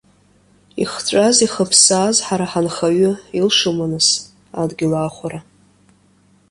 Ихҵәаз-ихыԥсааз ҳара ҳанхаҩы илшома нас, адгьыл аахәара?